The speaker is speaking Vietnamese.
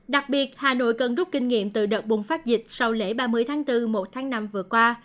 đặc biệt hà nội cần rút kinh nghiệm từ đợt bùng phát dịch sau lễ ba mươi tháng bốn một tháng năm vừa qua